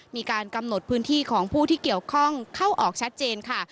มีการกำหนดพื้นที่ของผู้ที่เกี่ยวข้องเข้าออกชัดเจนค่ะ